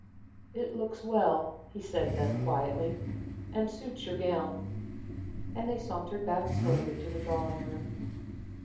"It looks well," he said then, quietly, "and suits your gown." And they sauntered back slowly to the drawing room.